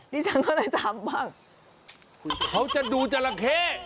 พี่เจ้าหน้าที่ทำบ้างเขาจะดูจัลละเค